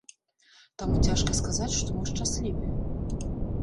Таму цяжка сказаць, што мы шчаслівыя.